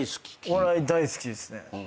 お笑い大好きですね。